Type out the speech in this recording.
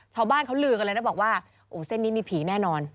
ชาวบ้านเขาลือกันเลยนะบอกว่าโอ้เส้นนี้มีผีแน่นอน